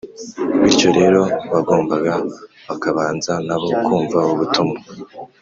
bityo rero, bagombaga bakabanza nabo kumva ubutumwa